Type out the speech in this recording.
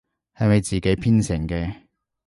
係咪自己編程嘅？